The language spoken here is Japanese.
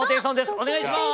お願いしまーす！